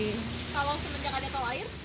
kalau semenjak ada tol air